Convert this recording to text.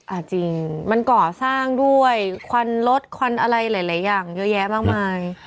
จริงมันก่อสร้างด้วยควันรถควันอะไรหลายอย่างเยอะแยะมากมาย